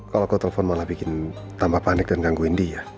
kalau aku telepon malah bikin tambah panik dan gangguin dia